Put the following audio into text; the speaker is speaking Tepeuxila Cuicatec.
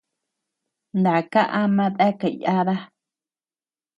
Naka ama deakea yáda.